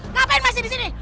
ngapain masih di sini